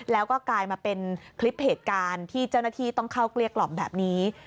แล้วก็กลายมาเป็นคลิปเหตุการณ์ที่เจ้าหน้าที่ต้องเข้าเกลี้ยกล่อมแบบนี้